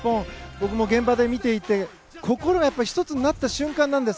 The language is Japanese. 僕も現場で見ていて心が一つになった瞬間なんです。